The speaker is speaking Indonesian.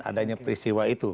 adanya peristiwa itu